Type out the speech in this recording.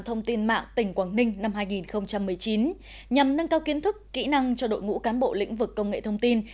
thông tin mạng tp hcm năm hai nghìn một mươi chín nhằm nâng cao kiến thức kỹ năng cho đội ngũ cán bộ lĩnh vực công nghệ thông tin